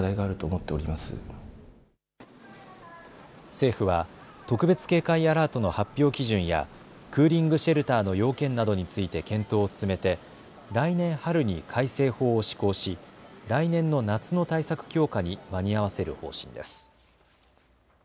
政府は特別警戒アラートの発表基準やクーリングシェルターの要件などについて検討を進めて来年春に改正法を施行し来年の夏の対策強化に間に合わせる方針です。